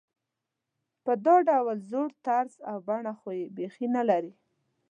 په دا زوړ طرز او بڼه خو یې بېخي نلري.